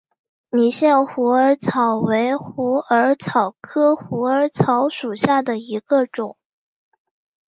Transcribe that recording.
理县虎耳草为虎耳草科虎耳草属下的一个种。